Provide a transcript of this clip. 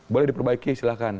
boleh diperbaiki silahkan